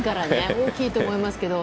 大きいと思いますけど。